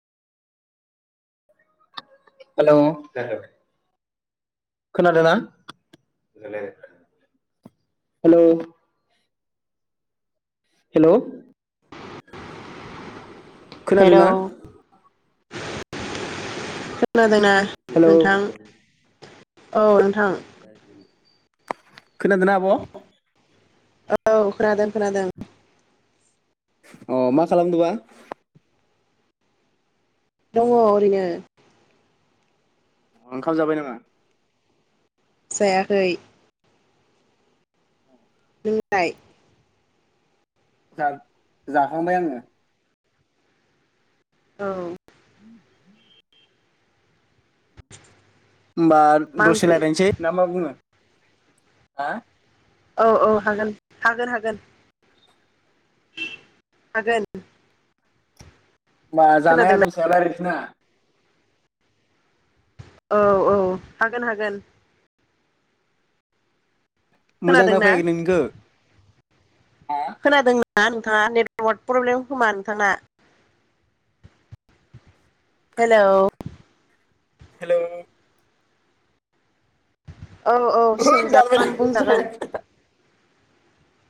Hello खोनादों ना hello hello hello खोनादोंना खोनादों खोनादों नाह हेलौ नोंथां औ नोंथां खोनादोना आब औ खोनादों खोनादों अ मा खालामदोबा दङ ओरैनो ओंखाम जाबाय नामा जायाखै नोंलाय जा जाखांबाय आङो औ [inaudible] ओमबा मा दसे ओंख्रि लायरायनोसै ना मा बुङो हा औ औ हागोन हागोन हागोन हागोन होमबा जानाय खोनादोंना आदारनि सायाव लायरायनसै ना औ औ हागोन हागोन मोजां खोना खोनादोंना फैयाखै नोंनिखो खोनादों ना नोंथाङा नेटवार्क प्रब्लेम खोमा नोंथाङा [inaudible] हेलौ हेलौ औ औ होद सोंजागोन दानबायलै। बुंजागोन